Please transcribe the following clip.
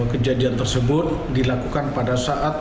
kejadian tersebut dilakukan pada saat